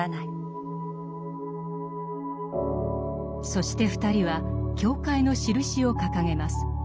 そして２人は教会のしるしを掲げます。